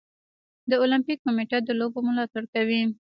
د المپیک کمیټه د لوبو ملاتړ کوي.